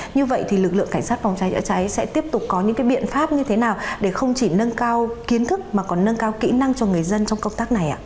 như vậy thì lực lượng cảnh sát phòng cháy chữa cháy sẽ tiếp tục có những biện pháp như thế nào để không chỉ nâng cao kiến thức mà còn nâng cao kỹ năng cho người dân trong công tác này ạ